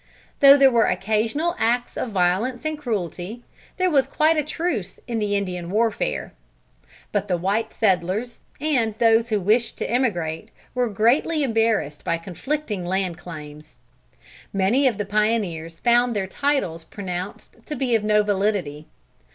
Though there were occasional acts of violence and cruelty, there was quite a truce in the Indian warfare. But the white settlers, and those who wished to emigrate, were greatly embarrassed by conflicting land claims. Many of the pioneers found their titles pronounced to be of no validity.